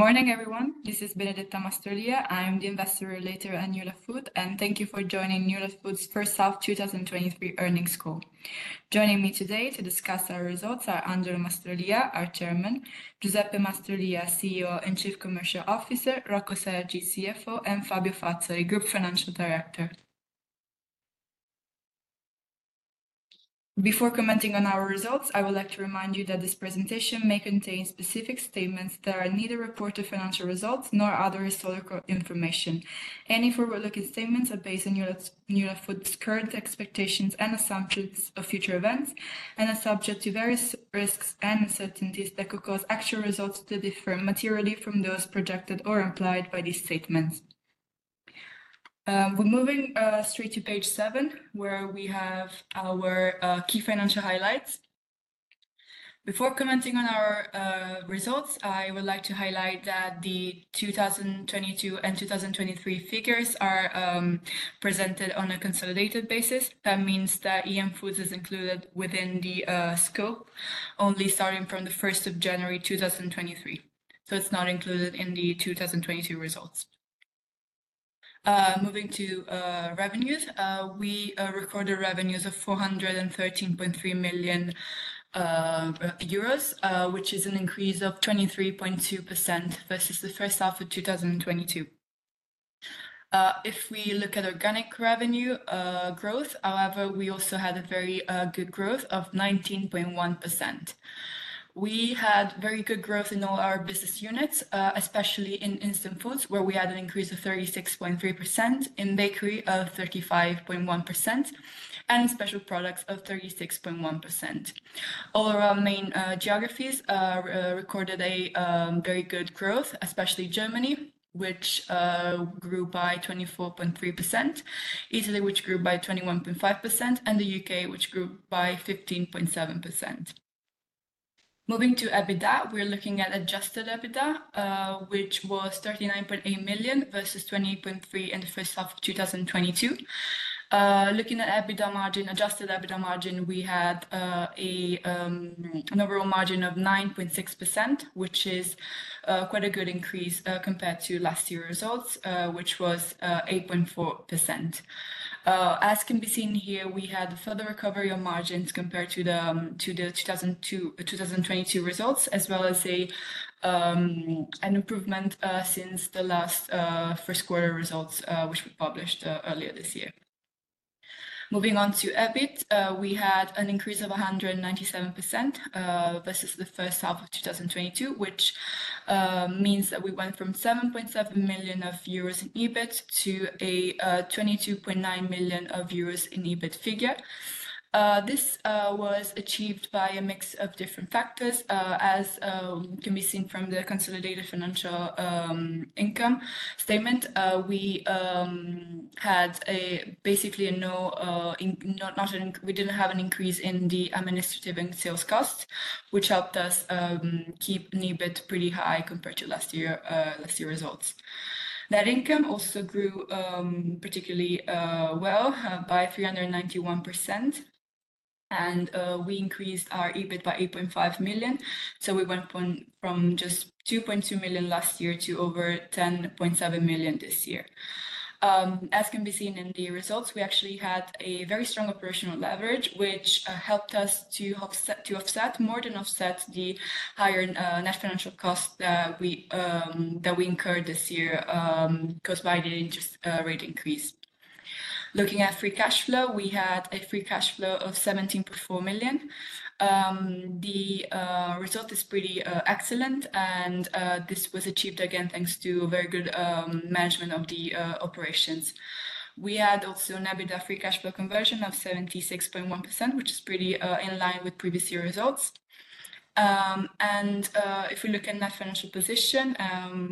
Morning, everyone. This is Benedetta Mastrolia. I'm the Investor Relations at Newlat Food, and thank you for joining Newlat Food's first half 2023 earnings call. Joining me today to discuss our results are Angelo Mastrolia, our Chairman, Giuseppe Mastrolia, CEO and Chief Commercial Officer, Rocco Sergi, CFO, and Fabio Fazzari, Group Financial Director. Before commenting on our results, I would like to remind you that this presentation may contain specific statements that are neither reported financial results nor other historical information. Any forward-looking statements are based on Newlat, Newlat Food's current expectations and assumptions of future events, and are subject to various risks and uncertainties that could cause actual results to differ materially from those projected or implied by these statements. We're moving straight to page seven, where we have our key financial highlights. Before commenting on our results, I would like to highlight that the 2022 and 2023 figures are presented on a consolidated basis. That means that EM Foods is included within the scope, only starting from the first of January 2023. So it's not included in the 2022 results. Moving to revenues, we recorded revenues of 413.3 million euros, which is an increase of 23.2% versus the first half of 2022. If we look at organic revenue growth, however, we also had a very good growth of 19.1%. We had very good growth in all our business units, especially in instant foods, where we had an increase of 36.3%, in bakery of 35.1%, and in special products of 36.1%. All our main geographies recorded a very good growth, especially Germany, which grew by 24.3%, Italy, which grew by 21.5%, and the U.K., which grew by 15.7%. Moving to EBITDA, we're looking at adjusted EBITDA, which was 39.8 million versus 28.3 million in the first half of 2022. Looking at EBITDA margin, adjusted EBITDA margin, we had an overall margin of 9.6%, which is quite a good increase compared to last year's results, which was 8.4%. As can be seen here, we had a further recovery of margins compared to the 2022 results, as well as an improvement since the last first quarter results, which we published earlier this year. Moving on to EBIT, we had an increase of 197% versus the first half of 2022, which means that we went from 7.7 million euros in EBIT to a 22.9 million euros in EBIT figure. This was achieved by a mix of different factors, as can be seen from the consolidated financial income statement. We didn't have an increase in the administrative and sales costs, which helped us keep EBIT pretty high compared to last year results. Net income also grew, particularly well, by 391%, and we increased our EBIT by 8.5 million. So we went from just 2.2 million last year to over 10.7 million this year. As can be seen in the results, we actually had a very strong operational leverage, which helped us to offset, more than offset the higher net financial costs that we incurred this year, caused by the interest rate increase. Looking at free cash flow, we had a free cash flow of 17.4 million. The result is pretty excellent, and this was achieved again, thanks to very good management of the operations. We had also an EBITDA free cash flow conversion of 76.1%, which is pretty in line with previous year results. If we look at net financial position,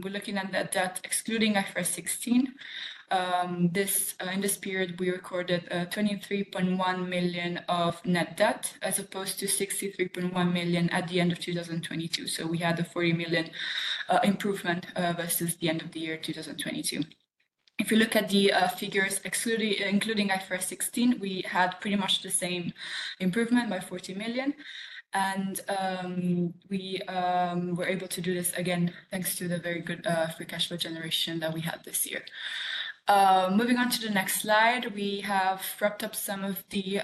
we're looking at net debt, excluding IFRS 16. In this period, we recorded 23.1 million of net debt, as opposed to 63.1 million at the end of 2022. So we had a 40 million improvement versus the end of the year 2022. If you look at the figures excluding, including IFRS 16, we had pretty much the same improvement by 40 million, and we were able to do this again, thanks to the very good free cash flow generation that we had this year. Moving on to the next slide, we have wrapped up some of the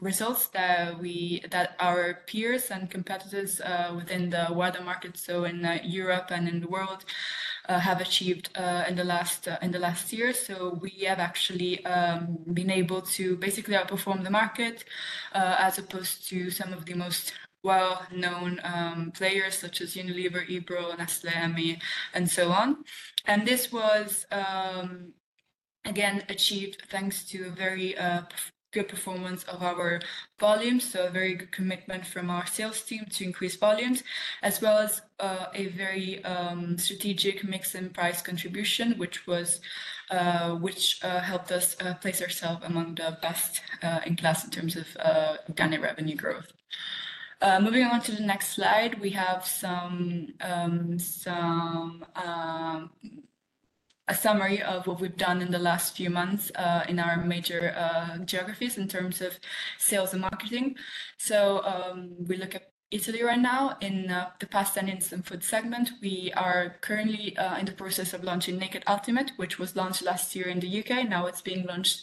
results that our peers and competitors within the wider market, so in Europe and in the world, have achieved in the last year. So we have actually been able to basically outperform the market as opposed to some of the most well-known players such as Unilever, Ebro, Nestlé, Emmi, and so on. This was again achieved thanks to a very good performance of our volumes, so a very good commitment from our sales team to increase volumes, as well as a very strategic mix and price contribution, which helped us place ourselves among the best in class in terms of organic revenue growth. Moving on to the next slide, we have some a summary of what we've done in the last few months in our major geographies in terms of sales and marketing. So we look at Italy right now. In the Pasta and Instant Food segment, we are currently in the process of launching Naked Ultimate, which was launched last year in the U.K. Now, it's being launched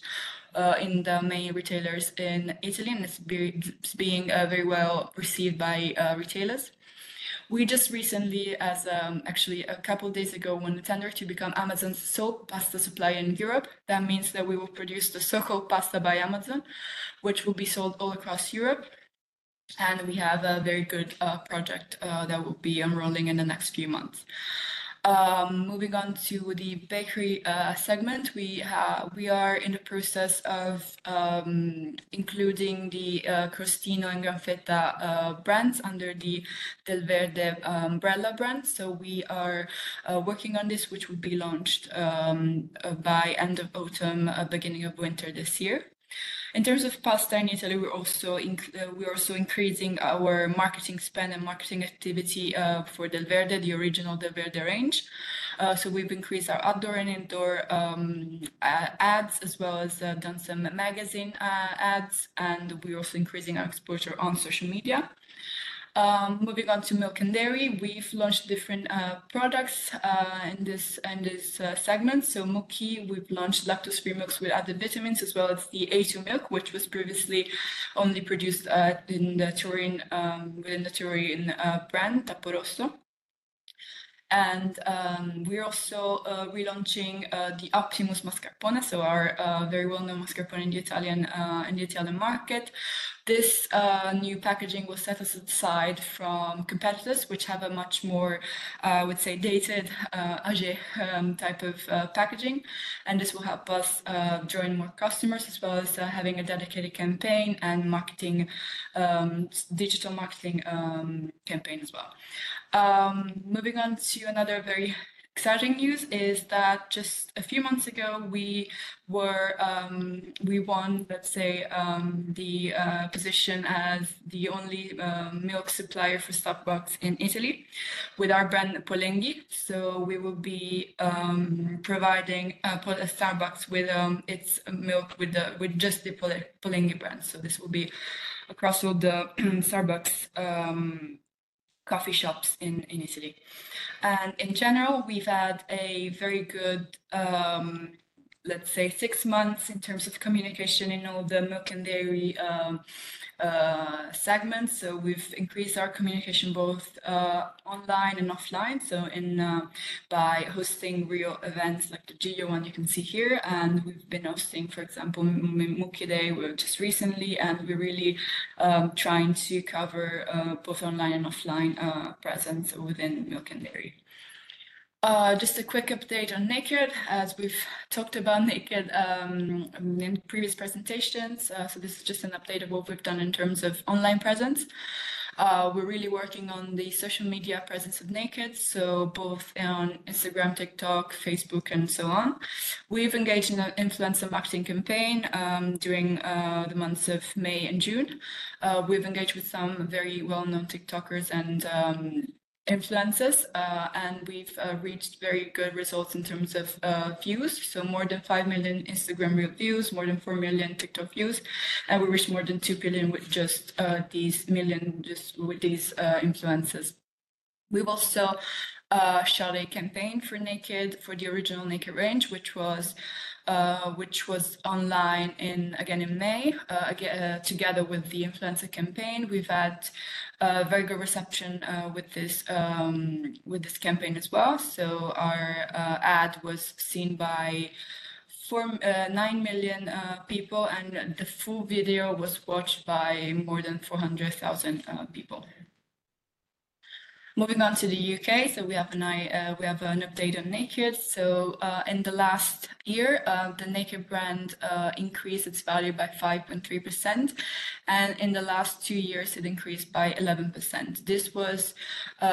in the main retailers in Italy, and it's being very well-received by retailers. We just recently, actually, a couple days ago, won the tender to become Amazon's sole pasta supplier in Europe. That means that we will produce the circle pasta by Amazon, which will be sold all across Europe, and we have a very good project that will be unrolling in the next few months. Moving on to the bakery segment, we are in the process of including the Crostino and Granfetta brands under the Delverde umbrella brand. So we are working on this, which will be launched by end of autumn, beginning of winter this year. In terms of pasta in Italy, we're also increasing our marketing spend and marketing activity for Delverde, the original Delverde range. We've increased our outdoor and indoor ads, as well as done some magazine ads, and we're also increasing our exposure on social media. Moving on to milk and dairy, we've launched different products in this segment. Mukki, we've launched lactose-free milks with added vitamins, as well as the A2 milk, which was previously only produced in the Turin within the Turin brand, Tapporosso. We're also relaunching the Optimus mascarpone, so our very well-known mascarpone in the Italian market. This new packaging will set us aside from competitors, which have a much more, I would say, dated age type of packaging. And this will help us draw in more customers, as well as having a dedicated campaign and marketing digital marketing campaign as well. Moving on to another very exciting news is that just a few months ago, we won, let's say, the position as the only milk supplier for Starbucks in Italy with our brand, Polenghi. So we will be providing Starbucks with its milk with just the Polenghi brand. So this will be across all the Starbucks coffee shops in Italy. And in general, we've had a very good, let's say, six months in terms of communication in all the milk and dairy segments. So we've increased our communication both online and offline, so in by hosting real events like the Giro you can see here, and we've been hosting, for example, Mukki Day, well, just recently, and we're really trying to cover both online and offline presence within milk and dairy. Just a quick update on Naked, as we've talked about Naked in previous presentations. So this is just an update of what we've done in terms of online presence. We're really working on the social media presence of Naked, so both on Instagram, TikTok, Facebook, and so on. We've engaged in an influencer marketing campaign during the months of May and June. We've engaged with some very well-known TikTokers and influencers, and we've reached very good results in terms of views. So more than 5 million Instagram views, more than 4 million TikTok views, and we reached more than 2 billion with just these influencers. We've also shot a campaign for Naked, for the original Naked range, which was online in, again, in May. Again, together with the influencer campaign, we've had a very good reception with this campaign as well. So our ad was seen by 49 million people, and the full video was watched by more than 400,000 people. Moving on to the U.K., we have an update on Naked. In the last year, the Naked brand increased its value by 5.3%, and in the last two years, it increased by 11%. This was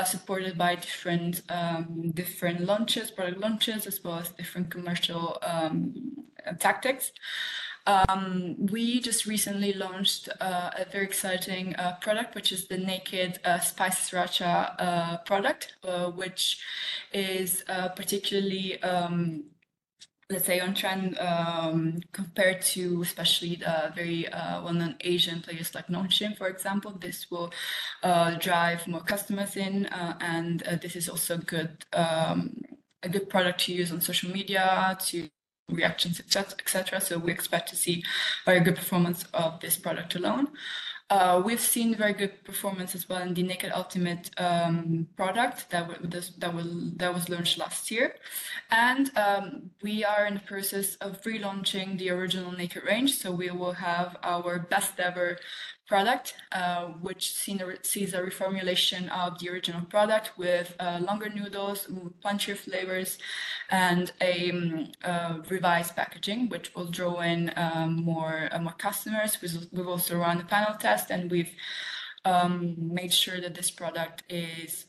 supported by different launches, product launches, as well as different commercial tactics. We just recently launched a very exciting product, which is the Naked Rice Sriracha product, which is particularly, let's say, on trend, compared to especially the very well-known Asian players like Nongshim, for example. This will drive more customers in, and this is also a good product to use on social media, reactions, et cetera, et cetera. So we expect to see very good performance of this product alone. We've seen very good performance as well in the Naked Ultimate product that was launched last year. And, we are in the process of relaunching the original Naked range, so we will have our best ever product, which sees a reformulation of the original product with longer noodles, more punchier flavors, and a revised packaging, which will draw in more customers. We've also run a panel test, and we've made sure that this product is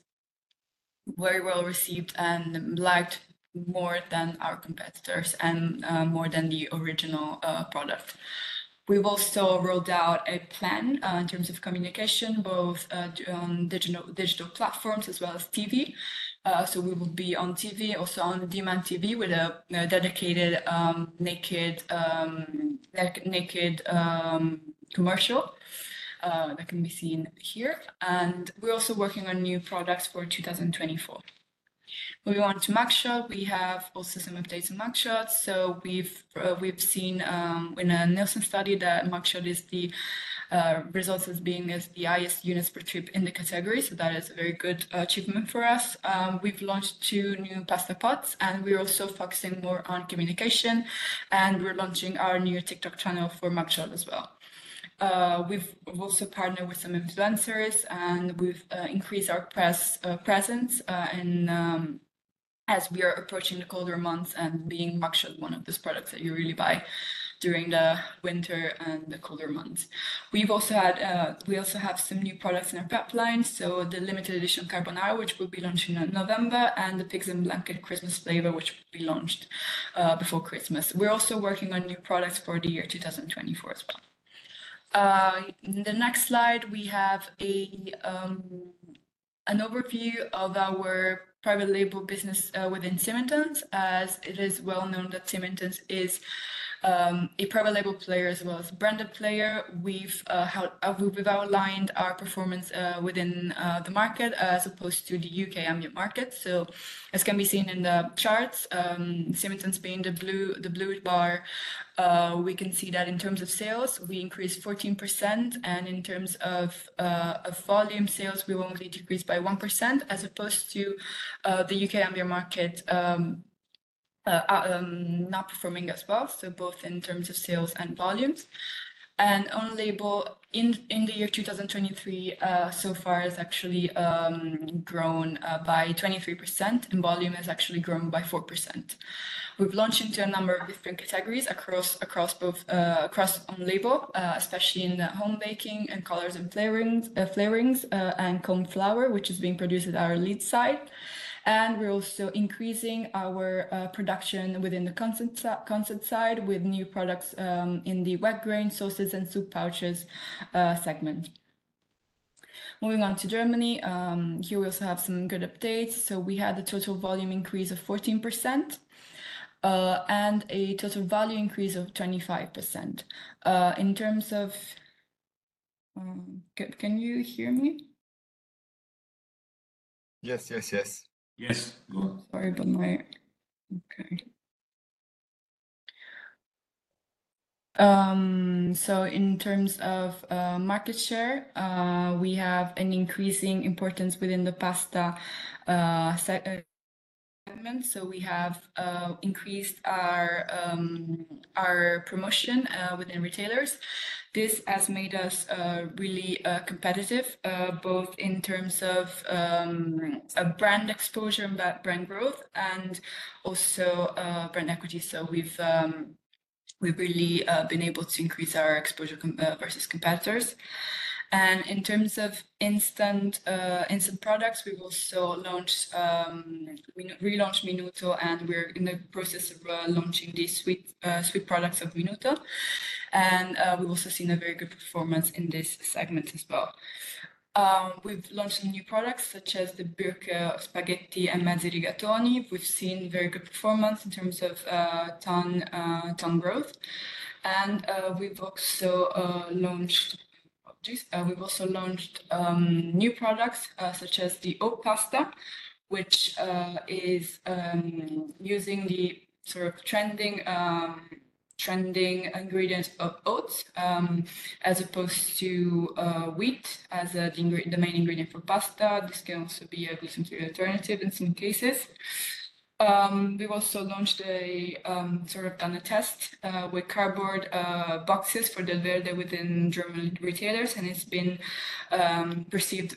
very well-received and liked more than our competitors and more than the original product. We've also rolled out a plan in terms of communication, both on digital platforms as well as TV. So we will be on TV, also on-demand TV, with a dedicated Naked, like Naked commercial that can be seen here, and we're also working on new products for 2024. Moving on to Mug Shot. We have also some updates on Mug Shot. So we've seen, in a Nielsen study that Mug Shot is the results as being the highest units per trip in the category, so that is a very good achievement for us. We've launched two new pasta pots, and we're also focusing more on communication, and we're launching our new TikTok channel for Mug Shot as well. We've also partnered with some influencers, and we've increased our press presence in as we are approaching the colder months, and being Mug Shot one of those products that you really buy during the winter and the colder months. We've also had, we also have some new products in our pipeline, so the limited edition carbonara, which we'll be launching in November, and the Pigs in Blankets Christmas flavor, which will be launched before Christmas. We're also working on new products for the year 2024 as well. In the next slide, we have an overview of our private label business within Symington's. As it is well known that Symington's is a private label player as well as branded player. We've how... We've outlined our performance within the market, as opposed to the U.K. ambient market. So as can be seen in the charts, Symington's being the blue, the blue bar, we can see that in terms of sales, we increased 14%, and in terms of volume sales, we only decreased by 1%, as opposed to the U.K. ambient market not performing as well, so both in terms of sales and volumes. And own label in the year 2023 so far has actually grown by 23%, and volume has actually grown by 4%. We've launched into a number of different categories across both across own label, especially in the home baking and colors and flavorings, flavorings, and cornflour, which is being produced at our Leeds site. And we're also increasing our production within the Consett site, with new products in the wet grain sauces and soup pouches segment. Moving on to Germany, here we also have some good updates. We had a total volume increase of 14%, and a total value increase of 25%. In terms of... Can you hear me? Yes, yes, yes. Yes. Okay. So in terms of market share, we have an increasing importance within the pasta segment, so we have increased our promotion within retailers. This has made us really competitive both in terms of a brand exposure and brand growth, and also brand equity. So we've really been able to increase our exposure versus competitors. And in terms of instant products, we've also relaunched Minuto, and we're in the process of launching the sweet products of Minuto, and we've also seen a very good performance in this segment as well. We've launched new products, such as the Birkel spaghetti and mezzi rigatoni. We've seen very good performance in terms of tonnage growth, and we've also launched new products such as the oat pasta, which is using the sort of trending ingredient of oats as opposed to wheat as the main ingredient for pasta. This can also be a gluten-free alternative in some cases. We've also launched a sort of done a test with cardboard boxes for Delverde within German retailers, and it's been perceived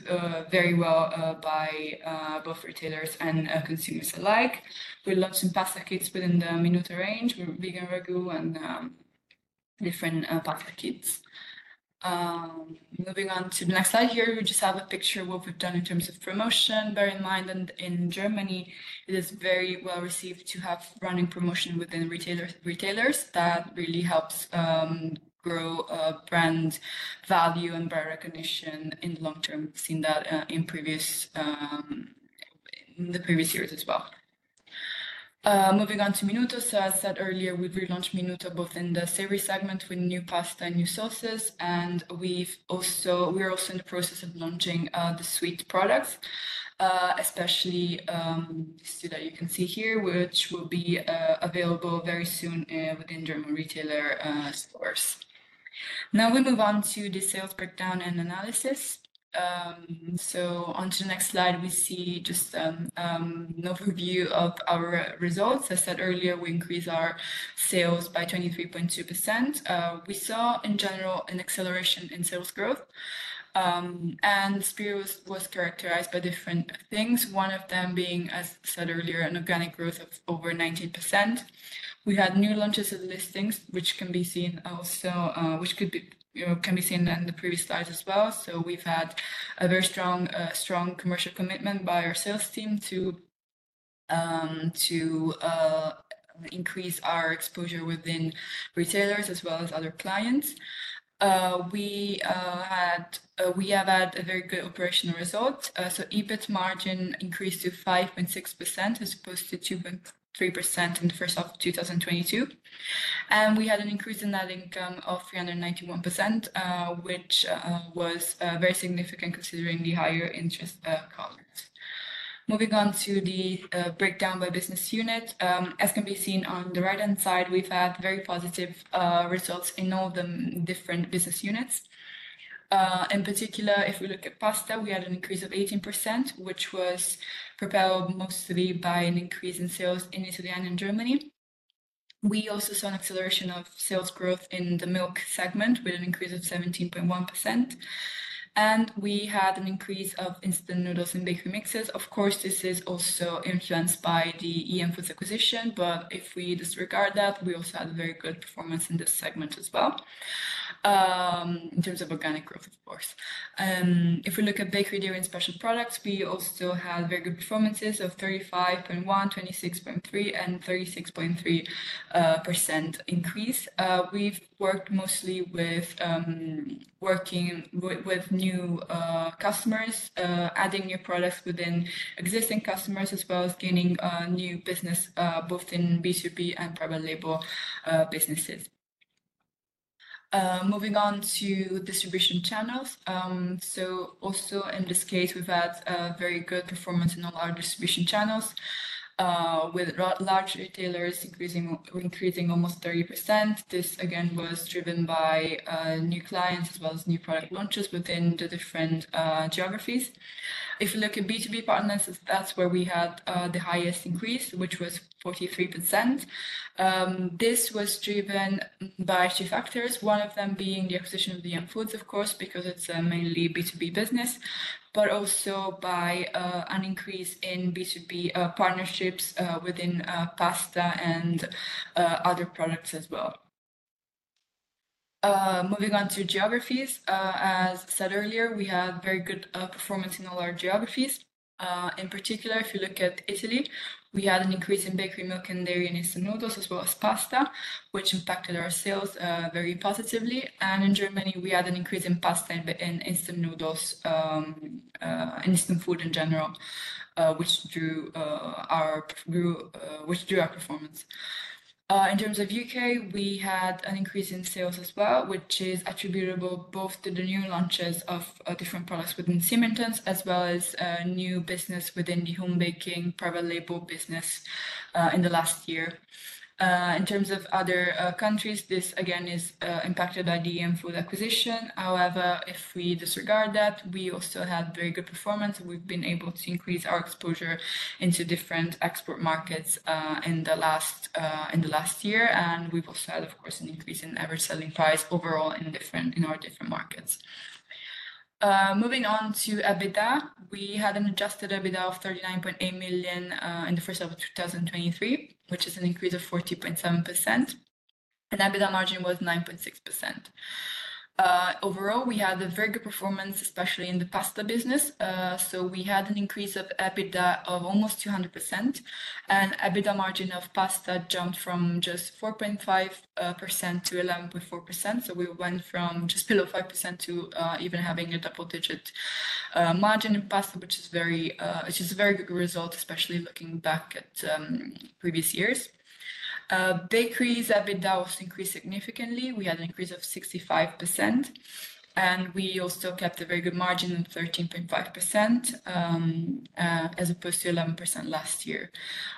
very well by both retailers and consumers alike. We launched some pasta kits within the Minuto range, with vegan ragu and different pasta kits. Moving on to the next slide here, we just have a picture of what we've done in terms of promotion. Bear in mind that in Germany, it is very well received to have running promotion within retailer, retailers. That really helps, grow a brand value and brand recognition in the long term. We've seen that, in previous, in the previous years as well. Moving on to Minuto. So as I said earlier, we've relaunched Minuto both in the savory segment with new pasta and new sauces, and we've also- we're also in the process of launching, the sweet products, especially, so that you can see here, which will be, available very soon, within German retailer, stores. Now, we move on to the sales breakdown and analysis. So on to the next slide, we see just, an overview of our results. As I said earlier, we increased our sales by 23.2%. We saw, in general, an acceleration in sales growth, and the year was characterized by different things, one of them being, as said earlier, an organic growth of over 90%. We had new launches and listings, which can be seen also, which could be, you know, can be seen in the previous slides as well. So we've had a very strong, strong commercial commitment by our sales team to increase our exposure within retailers as well as other clients. We have had a very good operational result. So EBIT margin increased to 5.6%, as opposed to 2.3% in the first half of 2022. And we had an increase in net income of 391%, which was very significant, considering the higher interest costs. Moving on to the breakdown by business unit. As can be seen on the right-hand side, we've had very positive results in all the different business units. In particular, if we look at pasta, we had an increase of 18%, which was propelled mostly by an increase in sales in Italy and in Germany. We also saw an acceleration of sales growth in the milk segment, with an increase of 17.1%. And we had an increase of instant noodles and bakery mixes. Of course, this is also influenced by the EM Foods acquisition, but if we disregard that, we also had very good performance in this segment as well, in terms of organic growth, of course. If we look at bakery, dairy, and special products, we also had very good performances of 35.1, 26.3, and 36.3% increase. We've worked mostly with new customers, adding new products within existing customers, as well as gaining new business both in B2B and private label businesses. Moving on to distribution channels. So also in this case, we've had a very good performance in all our distribution channels, with large retailers increasing almost 30%. This, again, was driven by new clients, as well as new product launches within the different geographies. If you look at B2B partners, that's where we had the highest increase, which was 43%. This was driven by two factors, one of them being the acquisition of EM Foods, of course, because it's a mainly B2B business, but also by an increase in B2B partnerships within pasta and other products as well. Moving on to geographies. As said earlier, we had very good performance in all our geographies. In particular, if you look at Italy, we had an increase in bakery, milk, and dairy, and instant noodles, as well as pasta, which impacted our sales very positively. In Germany, we had an increase in pasta and in instant noodles, and instant food in general, which drew our performance. In terms of U.K., we had an increase in sales as well, which is attributable both to the new launches of different products within Symington's, as well as new business within the home baking private label business in the last year. In terms of other countries, this again is impacted by the EM Foods acquisition. However, if we disregard that, we also had very good performance, and we've been able to increase our exposure into different export markets in the last year. We've also had, of course, an increase in average selling price overall in our different markets. Moving on to EBITDA, we had an adjusted EBITDA of 39.8 million in the first half of 2023, which is an increase of 40.7%, and EBITDA margin was 9.6%. Overall, we had a very good performance, especially in the pasta business. So we had an increase of EBITDA of almost 200%, and EBITDA margin of pasta jumped from just 4.5% to 11.4%. So we went from just below 5% to even having a double-digit margin in pasta, which is very, which is a very good result, especially looking back at previous years. Bakeries EBITDA was increased significantly. We had an increase of 65%, and we also kept a very good margin of 13.5%, as opposed to 11% last year.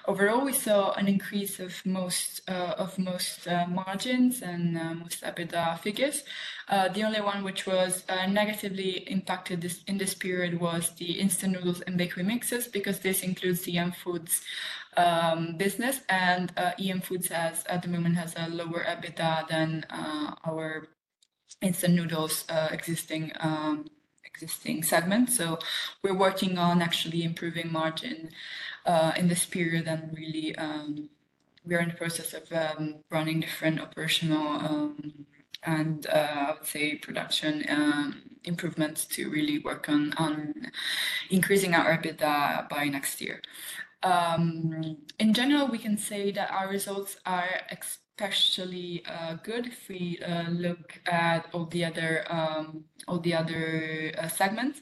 Overall, we saw an increase of most margins and most EBITDA figures. The only one which was negatively impacted in this period was the instant noodles and bakery mixes, because this includes the EM Foods business. And EM Foods at the moment has a lower EBITDA than our instant noodles existing segment. So we're working on actually improving margin in this period, and really we are in the process of running different operational and I would say production improvements to really work on increasing our EBITDA by next year. In general, we can say that our results are especially good if we look at all the other segments.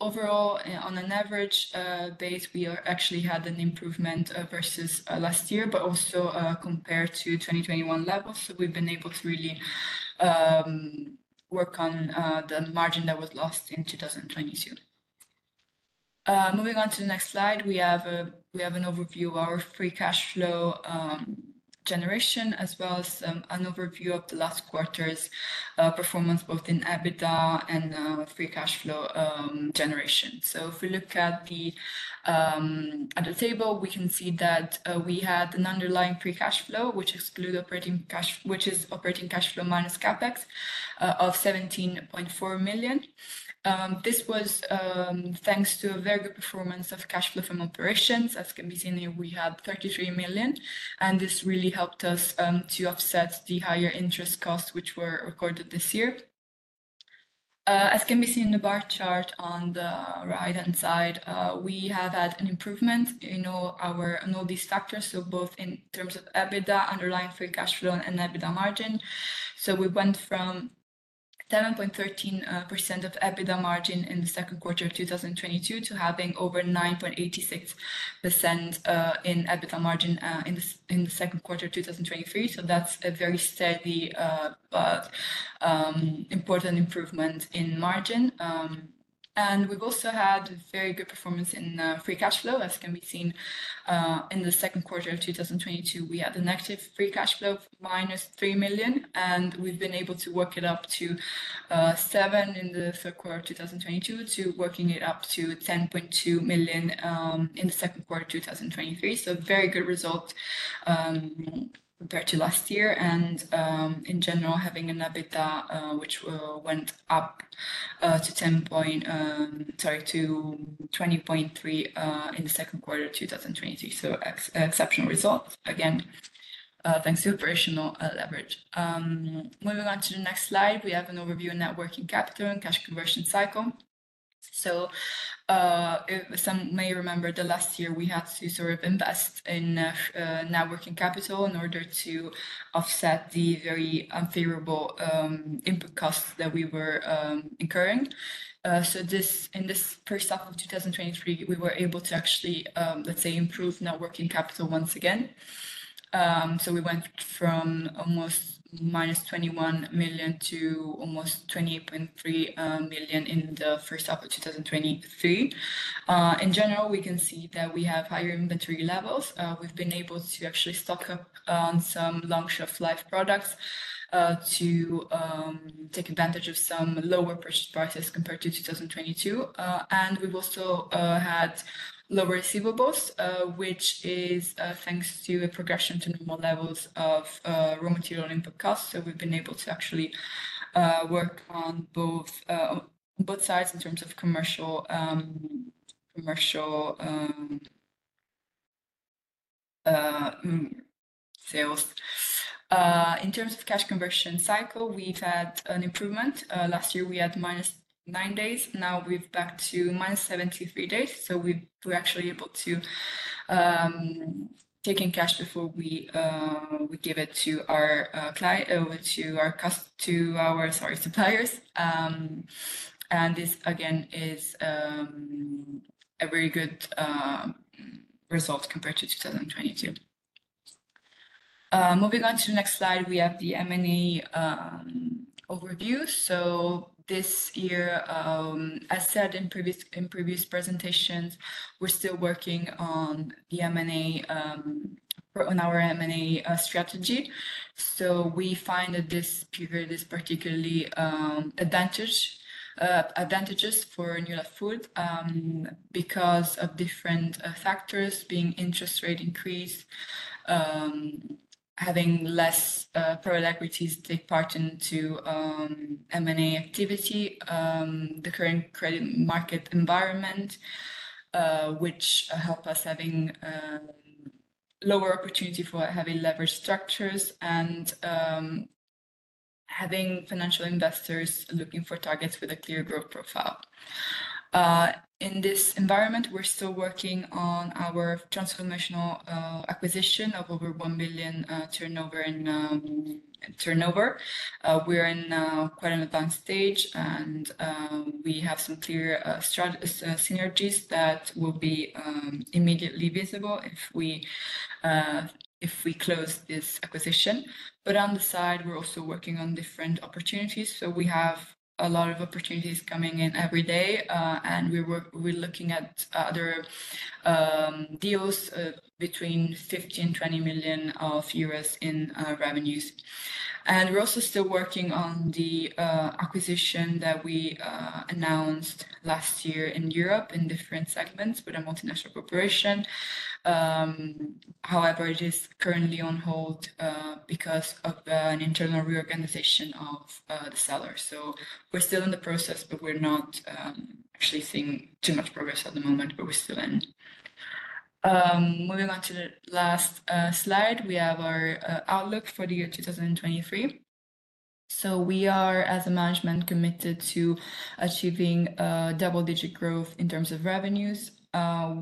Overall, on an average base, we actually had an improvement versus last year, but also compared to 2021 levels. We've been able to really work on the margin that was lost in 2022. Moving on to the next slide, we have an overview of our free cash flow generation, as well as an overview of the last quarter's performance, both in EBITDA and free cash flow generation. So if we look at the table, we can see that we had an underlying free cash flow, which is operating cash flow minus CapEx, of 17.4 million. This was thanks to a very good performance of cash flow from operations. As can be seen here, we had 33 million, and this really helped us to offset the higher interest costs, which were recorded this year. As can be seen in the bar chart on the right-hand side, we have had an improvement in all our, in all these factors, so both in terms of EBITDA, underlying free cash flow, and EBITDA margin. So we went from 7.13% of EBITDA margin in the second quarter of 2022 to having over 9.86% in EBITDA margin in the second quarter of 2023. So that's a very steady important improvement in margin. And we've also had very good performance in free cash flow, as can be seen, in the second quarter of 2022. We had a negative free cash flow of -3 million, and we've been able to work it up to 7 million in the third quarter of 2022, to working it up to 10.2 million in the second quarter of 2023. So very good result, compared to last year, and, in general, having an EBITDA, which went up, to twenty point three, in the second quarter of 2023. So exceptional results, again, thanks to operational leverage. Moving on to the next slide, we have an overview on net working capital and cash conversion cycle. So, some may remember that last year we had to sort of invest in net working capital in order to offset the very unfavorable input costs that we were incurring. So this, in this first half of 2023, we were able to actually, let's say, improve net working capital once again. So we went from almost -21 million to almost 28.3 million in the first half of 2023. In general, we can see that we have higher inventory levels. We've been able to actually stock up on some long shelf life products to take advantage of some lower prices compared to 2022. And we've also had lower receivables, which is thanks to a progression to normal levels of raw material input costs. So we've been able to actually work on both sides in terms of commercial sales. In terms of cash conversion cycle, we've had an improvement. Last year, we had -9 days. Now we're back to -73 days, so we're actually able to take in cash before we give it to our suppliers. This, again, is a very good result compared to 2022. Moving on to the next slide, we have the M&A overview. So this year, as said in previous presentations, we're still working on the M&A, on our M&A strategy. So we find that this period is particularly advantageous for Newlat Food because of different factors, being interest rate increase, having less private equities take part into M&A activity, the current credit market environment, which help us having lower opportunity for having leverage structures, and having financial investors looking for targets with a clear growth profile. In this environment, we're still working on our transformational acquisition of over 1 million turnover. We're in quite an advanced stage, and we have some clear synergies that will be immediately visible if we close this acquisition. But on the side, we're also working on different opportunities, so we have a lot of opportunities coming in every day. And we're looking at other deals between 15-20 million euros in revenues. And we're also still working on the acquisition that we announced last year in Europe, in different segments, with a multinational corporation. However, it is currently on hold because of an internal reorganization of the seller. So we're still in the process, but we're not actually seeing too much progress at the moment, but we're still in. Moving on to the last slide, we have our outlook for the year 2023. So we are, as a management, committed to achieving double-digit growth in terms of revenues.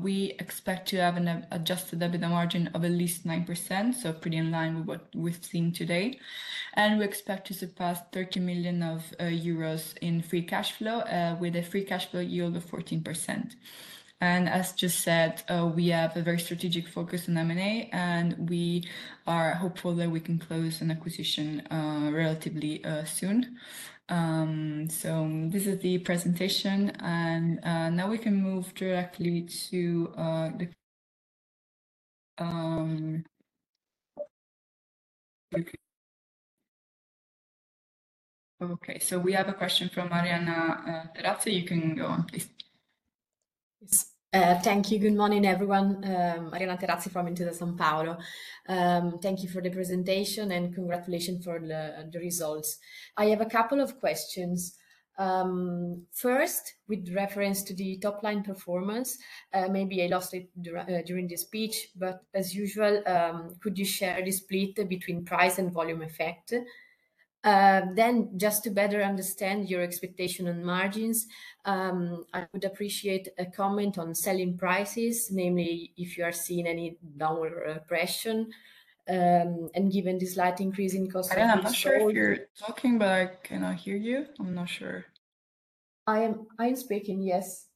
We expect to have an adjusted EBITDA margin of at least 9%, so pretty in line with what we've seen today. We expect to surpass 30 million euros in free cash flow with a free cash flow yield of 14%. And as just said, we have a very strategic focus on M&A, and we are hopeful that we can close an acquisition relatively soon. So this is the presentation, and now we can move directly to the... Okay, so we have a question from Arianna Terazzi. You can go on, please. Yes. Thank you. Good morning, everyone. Arianna Terazzi from Intesa Sanpaolo. Thank you for the presentation, and congratulations for the results. I have a couple of questions. First, with reference to the top-line performance, maybe I lost it during the speech, but as usual, could you share the split between price and volume effect? Then just to better understand your expectation on margins, I would appreciate a comment on selling prices, namely if you are seeing any downward pressure, and given the slight increase in cost of goods sold- I'm not sure if you're talking, but I cannot hear you. I'm not sure. I am, I am speaking, yes.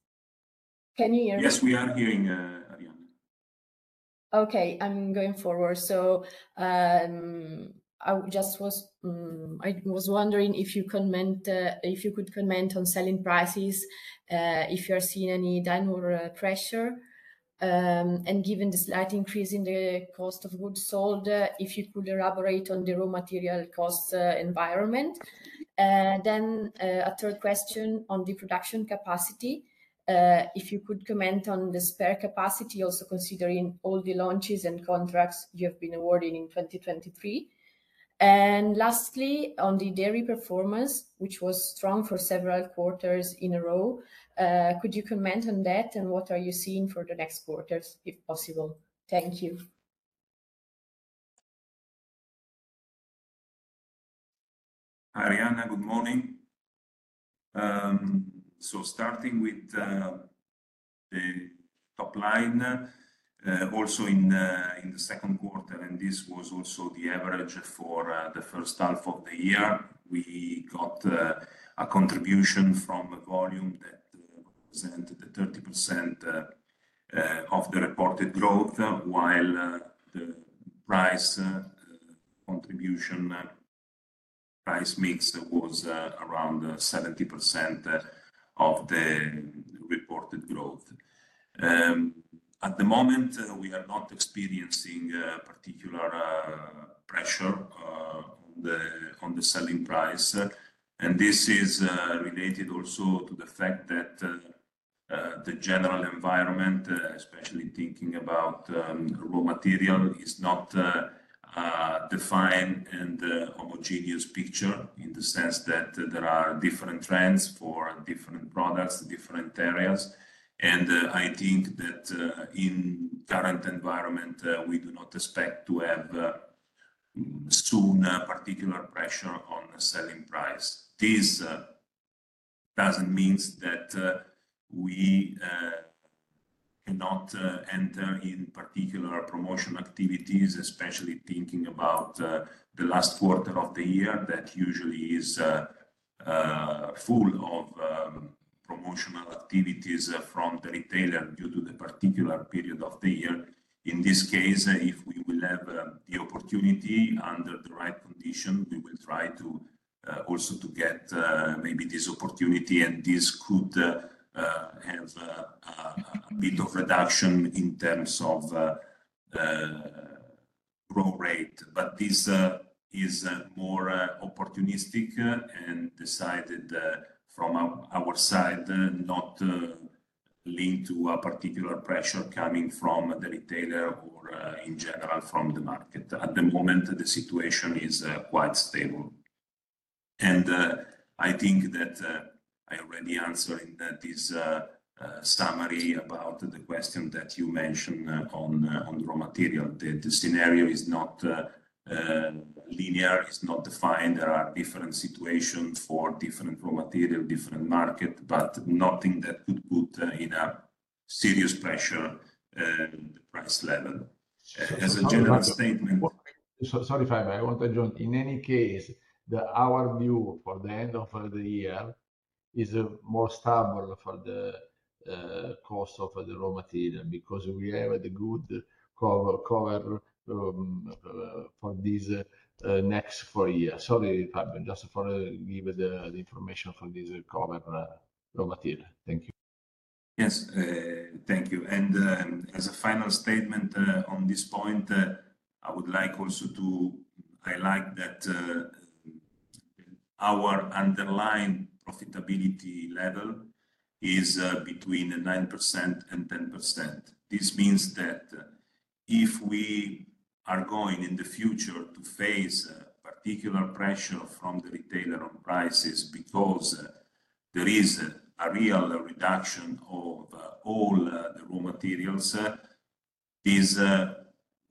Can you hear me? Yes, we are hearing, Arianna. Okay, I'm going forward. So, I was wondering if you could comment on selling prices, if you are seeing any downward pressure. And given the slight increase in the cost of goods sold, if you could elaborate on the raw material cost environment. Then, a third question on the production capacity. If you could comment on the spare capacity, also considering all the launches and contracts you have been awarding in 2023. And lastly, on the dairy performance, which was strong for several quarters in a row, could you comment on that, and what are you seeing for the next quarters, if possible? Thank you. Arianna, good morning. So starting with the top line, also in the second quarter, and this was also the average for the first half of the year, we got a contribution from a volume that represented the 30% of the reported growth, while the price contribution, price mix was around 70% of the reported growth. At the moment, we are not experiencing particular pressure on the selling price, and this is related also to the fact that the general environment, especially thinking about raw material, is not defined and a homogeneous picture, in the sense that there are different trends for different products, different areas. I think that in current environment we do not expect to have soon a particular pressure on the selling price. This doesn't mean that we cannot enter in particular promotional activities, especially thinking about the last quarter of the year, that usually is full of promotional activities from the retailer due to the particular period of the year. In this case, if we will have the opportunity under the right condition, we will try to also to get maybe this opportunity, and this could have a bit of reduction in terms of growth rate. But this is more opportunistic and decided from our side not linked to a particular pressure coming from the retailer or in general from the market. At the moment, the situation is quite stable. And I think that I already answering that is a summary about the question that you mentioned on raw material. The scenario is not linear, is not defined. There are different situations for different raw material, different market, but nothing that could put in a serious pressure the price level. As a general statement- So, sorry, Fabio, I want to join. In any case, our view for the end of the year is more stable for the cost of the raw material, because we have a good cover for this next four years. Sorry, Fabio, just for give the information for this cover raw material. Thank you. Yes, thank you. And, as a final statement, on this point, I would like also to highlight that, our underlying profitability level is, between 9% and 10%. This means that if we are going in the future to face, particular pressure from the retailer on prices, because there is a real reduction of, all, the raw materials, this,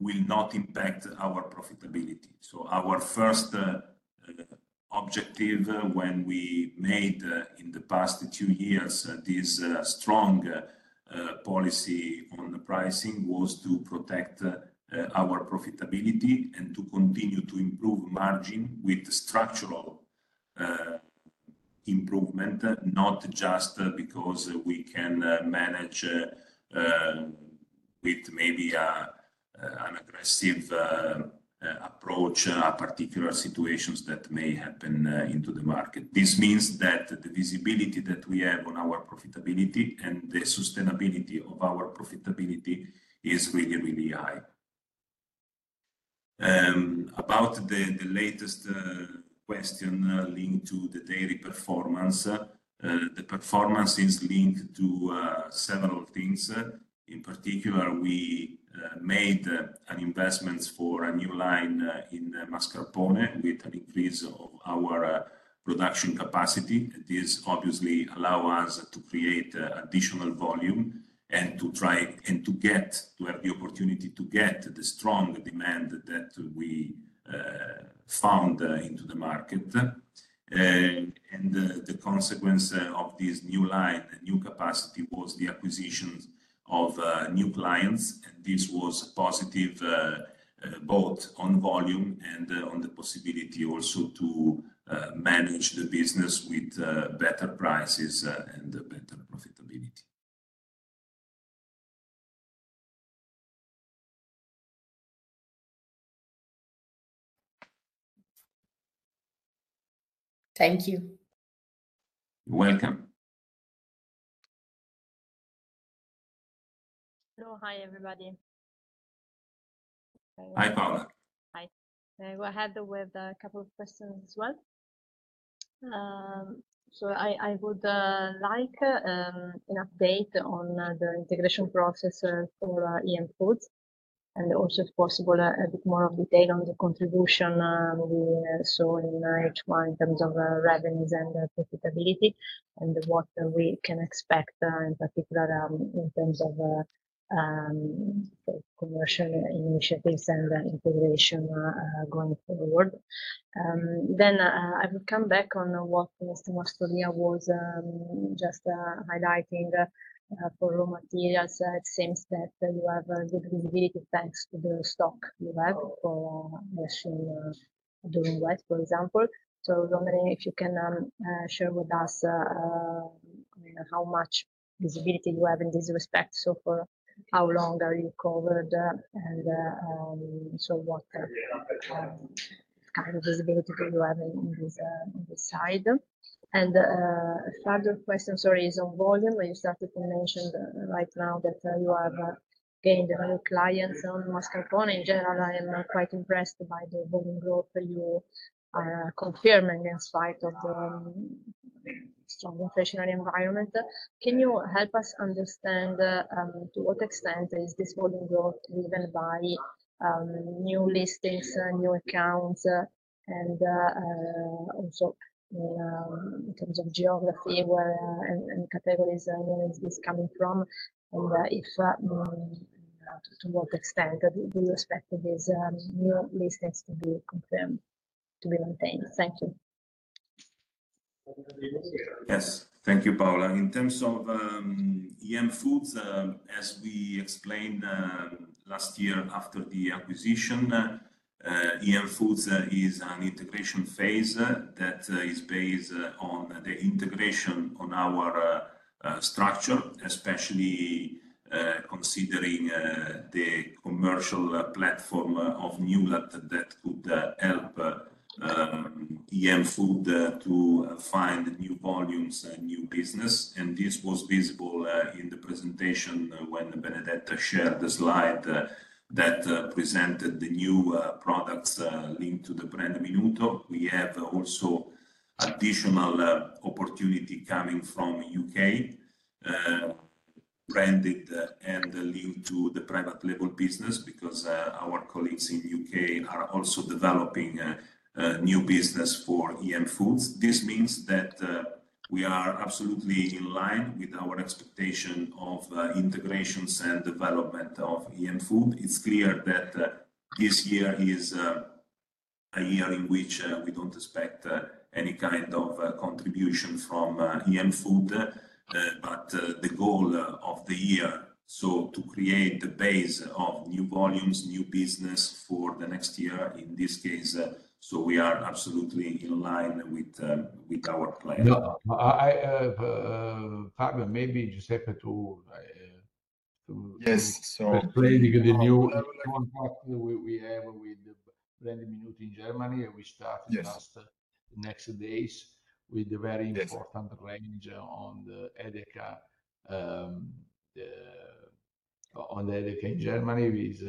will not impact our profitability. So our first, objective when we made, in the past two years, this, strong, policy on the pricing, was to protect, our profitability and to continue to improve margin with structural, improvement, not just because we can, manage, with maybe, an aggressive, approach, particular situations that may happen, into the market. This means that the visibility that we have on our profitability and the sustainability of our profitability is really, really high. About the latest question linked to the daily performance, the performance is linked to several things. In particular, we made an investment for a new line in mascarpone with an increase of our production capacity. This obviously allow us to create additional volume and to get to have the opportunity to get the strong demand that we found into the market. And the consequence of this new line and new capacity was the acquisition of new clients, and this was positive both on volume and on the possibility also to manage the business with better prices and better profitability. Thank you. You're welcome. Hello. Hi, everybody. Hi, Paola. Hi. I go ahead with a couple of questions as well. So I would like an update on the integration process for EM Foods, and also, if possible, a bit more of detail on the contribution we saw in H1 in terms of revenues and profitability, and what we can expect in particular in terms of commercial initiatives and the integration going forward. Then I would come back on what Mr. Mastrolia was just highlighting for raw materials. It seems that you have a good visibility, thanks to the stock you have for maize and wheat, for example. So do you think, if you can share with us how much visibility you have in this respect. So for how long are you covered, and so what kind of visibility do you have in this, on this side? And a further question, sorry, is on volume, where you started to mention right now that you have gained new clients on mascarpone. In general, I am quite impressed by the volume growth that you are confirming in spite of the strong inflationary environment. Can you help us understand to what extent is this volume growth driven by new listings, new accounts, and also in terms of geography, where and categories is coming from? And if to what extent do you expect these new listings to be confirmed, to be maintained? Thank you. Yes. Thank you, Paola. In terms of EM Foods, as we explained last year after the acquisition, EM Foods is an integration phase that is based on the integration on our structure, especially considering the commercial platform of Newlat that could help EM Food to find new volumes and new business. And this was visible in the presentation when Benedetta shared the slide that presented the new products linked to the brand Minuto. We have also additional opportunity coming from U.K. branded and linked to the private label business, because our colleagues in U.K. are also developing a new business for EM Foods. This means that we are absolutely in line with our expectation of integrations and development of EM Food. It's clear that this year is a year in which we don't expect any kind of contribution from EM Foods. But the goal of the year so to create the base of new volumes, new business for the next year in this case, so we are absolutely in line with our plan. No, I, Paola, maybe Giuseppe to, to- Yes, so- We have with the brand Minuto in Germany, and we start. Yes... just next days with the very- Yes... important range on the Edeka in Germany is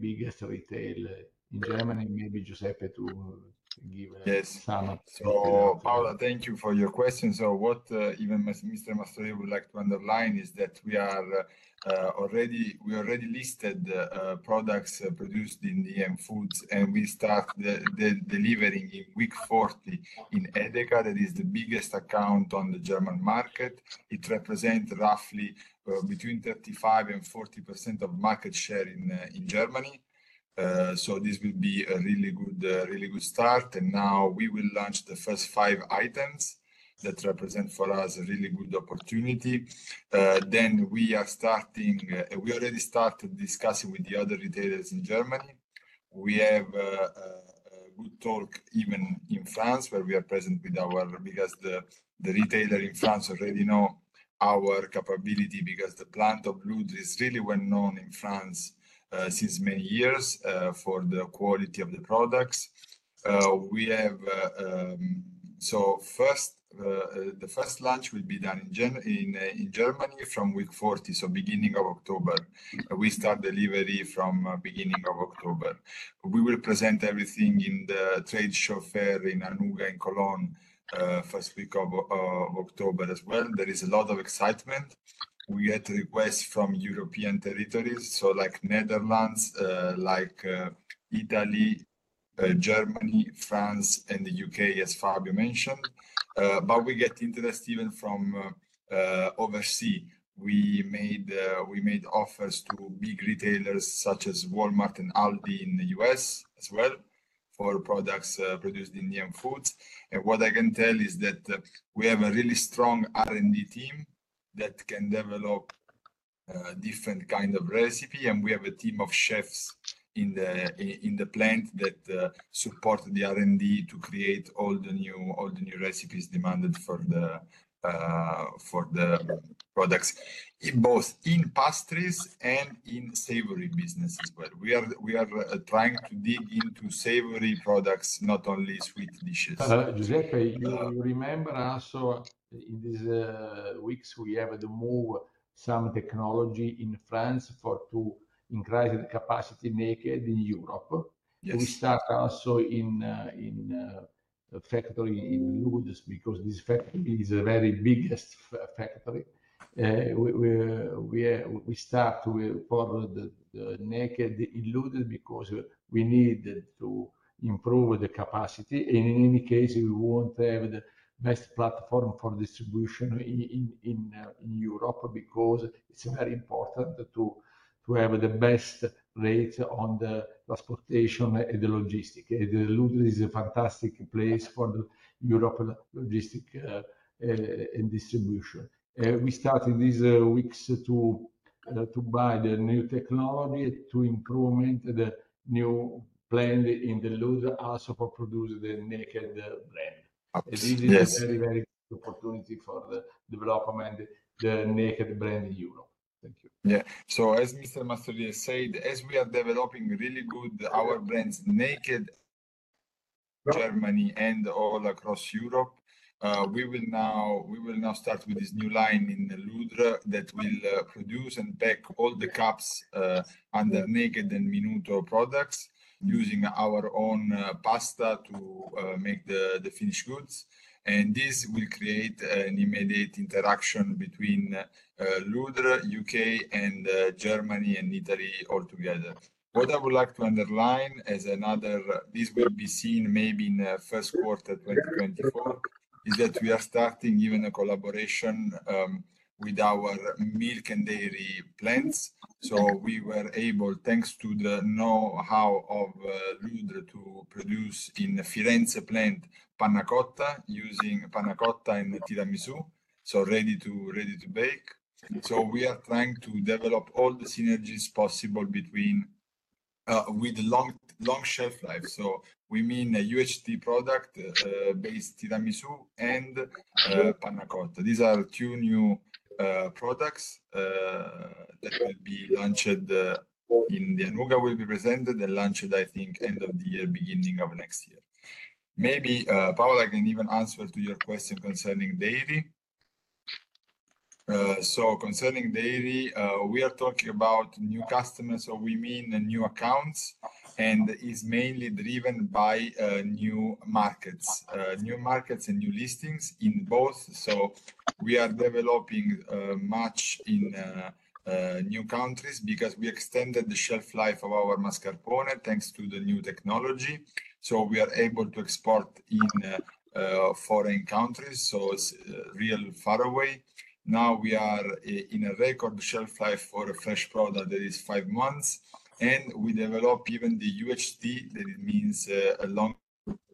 biggest retail in Germany. Maybe Giuseppe to give a- Yes. Sum up. So, Paola, thank you for your question. So what even Mr. Mastrolia would like to underline is that we are already we already listed products produced in the EM Foods, and we start the delivering in week 40 in Edeka. That is the biggest account on the German market. It represent roughly between 35% and 40% of market share in Germany. So this will be a really good really good start, and now we will launch the first five items that represent for us a really good opportunity. Then we are starting. We already started discussing with the other retailers in Germany. We have a good talk even in France, where we are present with our... Because the retailer in France already know our capability, because the plant of Ludres is really well known in France since many years for the quality of the products. So first, the first launch will be done in Germany from week 40, so beginning of October. We start delivery from beginning of October. We will present everything in the trade show fair in Anuga, in Cologne, first week of October as well. There is a lot of excitement... we get requests from European territories, so like Netherlands, like Italy, Germany, France, and the U.K., as Fabio mentioned. But we get interest even from overseas. We made offers to big retailers such as Walmart and Aldi in the U.S. as well, for products produced in EM Foods. And what I can tell is that we have a really strong R&D team that can develop different kind of recipe, and we have a team of chefs in the plant that support the R&D to create all the new, all the new recipes demanded for the products, in both in pastries and in savory business as well. We are trying to dig into savory products, not only sweet dishes. Giuseppe, you remember also in these weeks, we have to move some technology in France for to increase the capacity Naked in Europe? Yes. We start also in factory in Ludres, because this factory is a very biggest factory. We start with the Naked in Ludres, because we need to improve the capacity. In any case, we want to have the best platform for distribution in Europe, because it's very important to have the best rate on the transportation and the logistic, and Ludres is a fantastic place for the Europe logistic in distribution. We started these weeks to buy the new technology to improvement the new plant in the Ludres, also for produce the Naked brand. Absolutely, yes. This is a very, very good opportunity for the development of the Naked brand in Europe. Thank you. Yeah. So as Mr. Mastrolia said, as we are developing really good our brands Naked, Germany, and all across Europe, we will now, we will now start with this new line in Ludres that will produce and pack all the cups under Naked and Minuto products, using our own pasta to make the finished goods. And this will create an immediate interaction between Ludres, U.K., and Germany and Italy all together. What I would like to underline as another, this will be seen maybe in the first quarter 2024, is that we are starting even a collaboration with our milk and dairy plants. So we were able, thanks to the know-how of Ludres to produce in the Firenze plant, panna cotta, using panna cotta and tiramisu, so ready to bake. So we are trying to develop all the synergies possible between, with long, long shelf life. So we mean a UHT product based tiramisu and panna cotta. These are two new products that will be launched in the Anuga, will be presented and launched, I think, end of the year, beginning of next year. Maybe, Paola, I can even answer to your question concerning dairy. So concerning dairy, we are talking about new customers, so we mean the new accounts, and is mainly driven by new markets, new markets and new listings in both. So we are developing much in new countries, because we extended the shelf life of our mascarpone, thanks to the new technology. So we are able to export in foreign countries, so it's real far away. Now, we are in a record shelf life for a fresh product that is five months, and we develop even the UHT, that it means, a long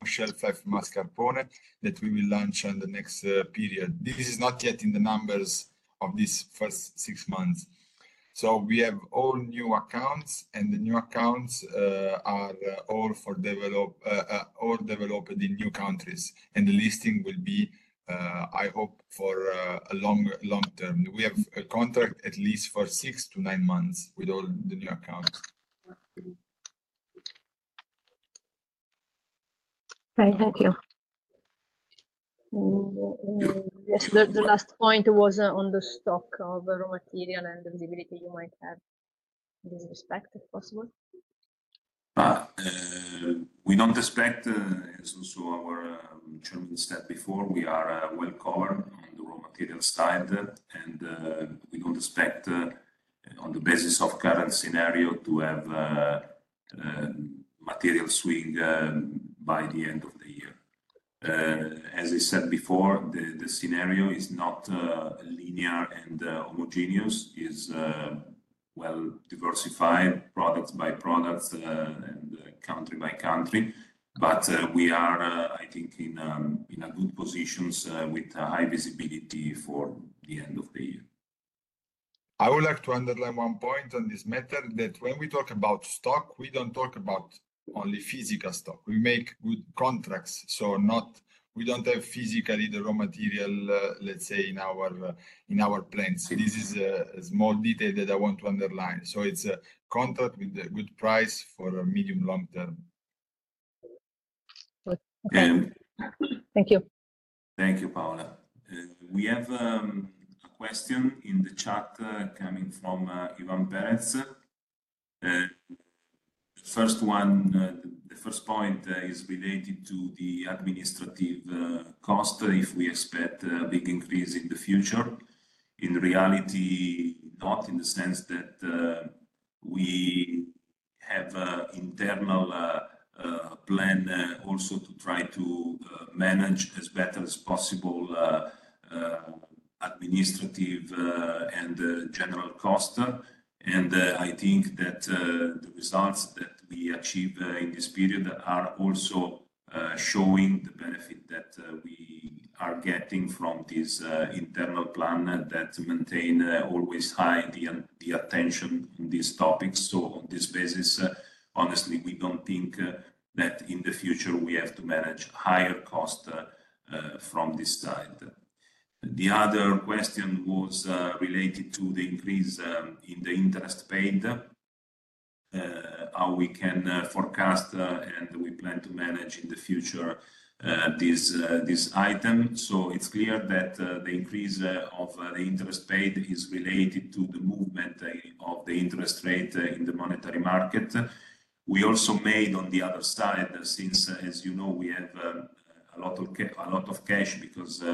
shelf life mascarpone, that we will launch on the next period. This is not yet in the numbers of this first six months. So we have all new accounts, and the new accounts are all developed in new countries, and the listing will be, I hope, for a long, long term. We have a contract at least for six-nine months with all the new accounts. Okay, thank you. Yes, the last point was on the stock of raw material and the visibility you might have in this respect, if possible. We don't expect, as also our chairman said before, we are well covered on the raw material side, and we don't expect, on the basis of current scenario, to have material swing by the end of the year. As I said before, the scenario is not linear and homogeneous. It's well diversified, products by products, and country by country. But we are, I think, in a good positions with high visibility for the end of the year. I would like to underline one point on this matter, that when we talk about stock, we don't talk about only physical stock. We make good contracts, so we don't have physically the raw material, let's say, in our plants. This is a small detail that I want to underline. So it's a contract with a good price for a medium, long term. Good. Okay. And- Thank you. Thank you, Paola. We have a question in the chat coming from Ivan Perez. First one, the first point is related to the administrative cost, if we expect a big increase in the future. In reality, not in the sense that we have internal plan also to try to manage as better as possible administrative and general cost. And I think that the results that we achieved in this period are also showing the benefit that we are getting from this internal plan that maintain always high the the attention in these topics. So on this basis, honestly, we don't think that in the future, we have to manage higher cost from this side. The other question was related to the increase in the interest paid, how we can forecast and we plan to manage in the future this item. So it's clear that the increase of the interest paid is related to the movement of the interest rate in the monetary market. We also made on the other side, since, as you know, we have a lot of cash because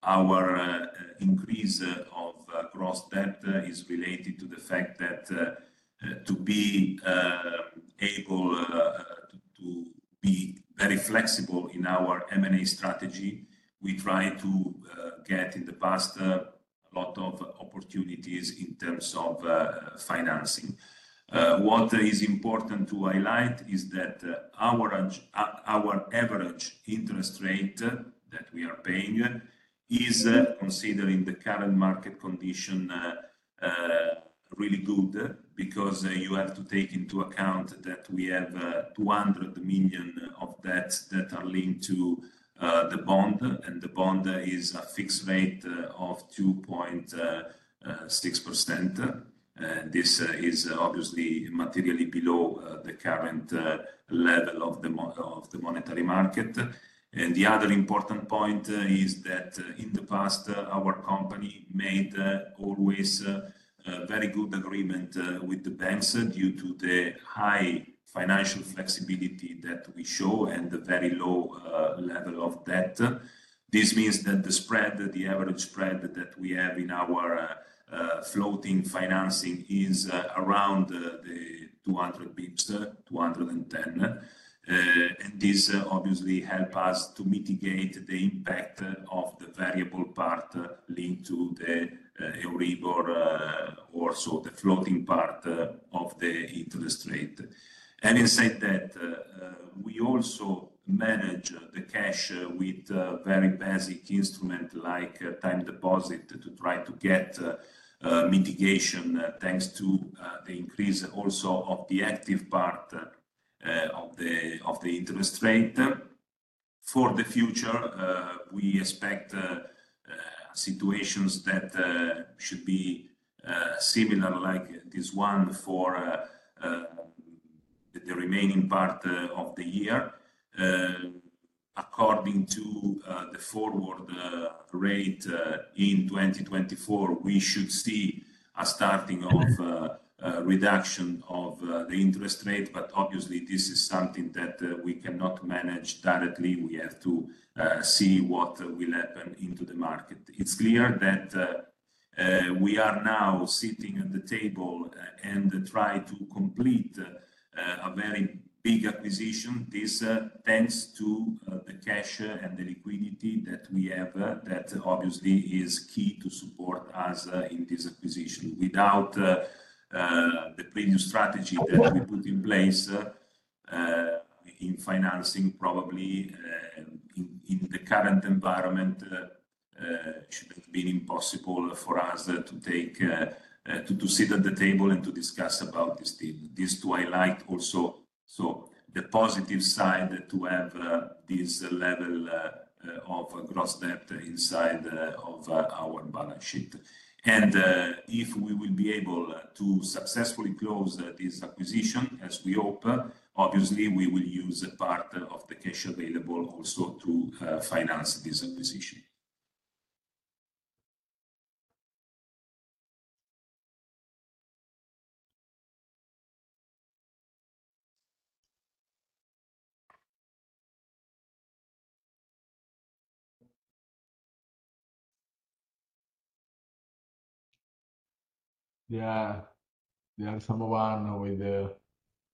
our increase of gross debt is related to the fact that to be able to be very flexible in our M&A strategy, we try to get in the past a lot of opportunities in terms of financing. What is important to highlight is that our average interest rate that we are paying is, considering the current market condition, really good. Because you have to take into account that we have 200 million of debt that are linked to the bond, and the bond is a fixed rate of 2.6%. This is obviously materially below the current level of the monetary market. And the other important point is that in the past our company made always a very good agreement with the banks due to the high financial flexibility that we show and the very low level of debt. This means that the spread, the average spread that we have in our floating financing is around 200 bps, 210. And this obviously help us to mitigate the impact of the variable part linked to the Euribor or so the floating part of the interest rate. Having said that, we also manage the cash with very basic instrument, like a time deposit, to try to get mitigation thanks to the increase also of the active part of the interest rate. For the future, we expect situations that should be similar, like this one, for the remaining part of the year. According to the forward rate in 2024, we should see a starting of reduction of the interest rate, but obviously, this is something that we cannot manage directly. We have to see what will happen into the market. It's clear that we are now sitting at the table and try to complete a very big acquisition. This, thanks to the cash and the liquidity that we have, that obviously is key to support us in this acquisition. Without the previous strategy that we put in place in financing, probably in the current environment should have been impossible for us to take to sit at the table and to discuss about this deal. This to highlight also, so the positive side, to have this level of gross debt inside of our balance sheet. If we will be able to successfully close this acquisition, as we hope, obviously, we will use a part of the cash available also to finance this acquisition. There are, there are someone with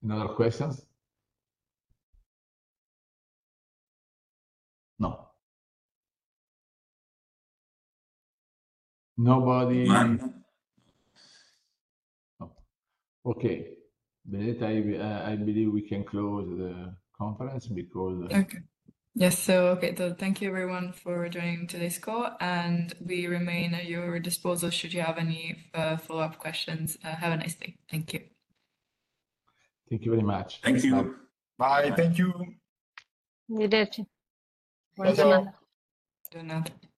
another questions? No. Nobody? None. No. Okay. Benedetta, I, I believe we can close the conference because- Okay. Yes, so, okay, so thank you everyone for joining today's call, and we remain at your disposal should you have any follow-up questions. Have a nice day. Thank you. Thank you very much. Thank you. Bye. Thank you. Good day to you. Donna.